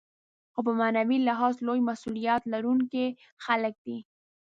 خو په معنوي لحاظ لوی مسوولیت لرونکي خلک دي.